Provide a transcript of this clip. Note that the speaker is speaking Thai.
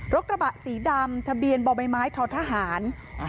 กระบะสีดำทะเบียนบ่อใบไม้ท้อทหาร